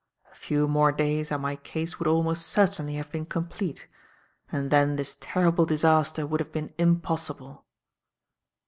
A few more days and my case would almost certainly have been complete, and then this terrible disaster would have been impossible."